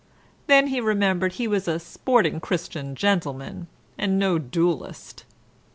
Then he remembered he was a sporting Christian gentleman, and no duellist.